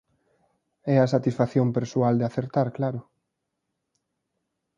E a satisfacción persoal de acertar, claro.